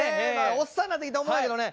おっさんなってきたら思うんやけどね